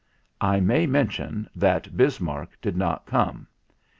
I may mention that Bismarck did not come.